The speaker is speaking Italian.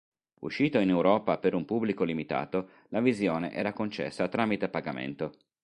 Uscito in Europa per un pubblico limitato, la visione era concessa tramite pagamento.